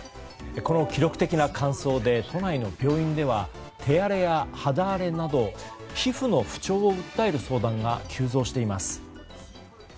この記録的な乾燥で都内の病院では手荒れや肌荒れなど皮膚の不調を訴える相談が急増しています。